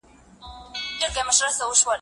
له ځانه کرکې کرکې اوښکې د حوا ګرځوه